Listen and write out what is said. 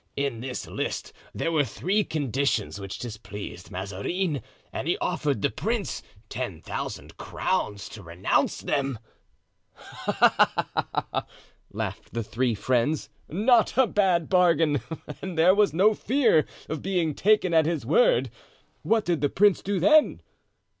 In this list there were three conditions which displeased Mazarin and he offered the prince ten thousand crowns to renounce them." "Ah, ha, ha!" laughed the three friends, "not a bad bargain; and there was no fear of being taken at his word; what did the prince do then?"